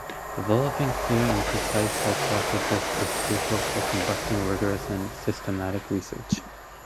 Developing clear and precise hypotheses is crucial for conducting rigorous and systematic research.